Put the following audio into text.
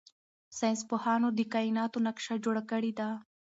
ساینس پوهانو د کائناتو نقشه جوړه کړې ده.